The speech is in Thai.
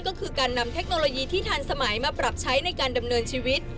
ก็คือการนำเทคโนโลยีที่ทันสมัยมาปรับใช้ในการดำเนินชีวิต